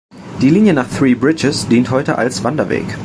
Die Linie nach Three Bridges dient heute als Wanderweg.